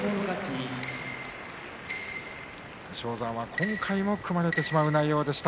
武将山が今回も組まれてしまう内容でした。